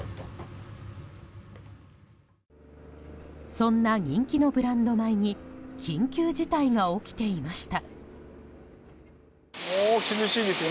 そんな人気のブランド米に緊急事態が起きていました。